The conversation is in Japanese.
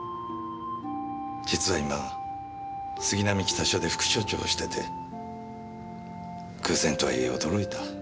実は今杉並北署で副署長をしてて偶然とはいえ驚いた。